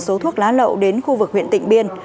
số thuốc lá lậu đến khu vực huyện tỉnh biên